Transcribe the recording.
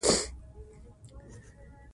ځمکه د افغانانو د فرهنګي پیژندنې برخه ده.